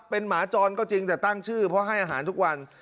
เป็นหมาจรก็จริงแต่ตั้งชื่อเพราะให้อาหารทุกวัน